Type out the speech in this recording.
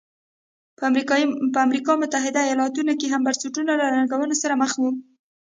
په امریکا متحده ایالتونو کې هم بنسټونه له ننګونو سره مخ وو.